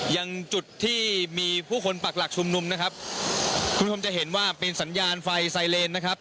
อย่างจุดที่มีผู้คนปักหลักชุมนุมนะครับคุณผู้ชมจะเห็นว่าเป็นสัญญาณไฟไซเลนนะครับ